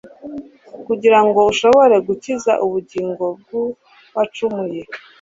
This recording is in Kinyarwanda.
kugira ngo ushobore gukiza ubugingo bw'uwacumuye